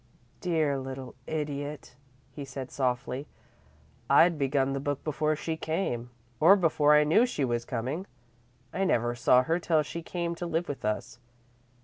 "Dear little idiot," said Harlan, softly. "I'd begun the book before she came or before I knew she was coming. I never saw her till she came to live with us.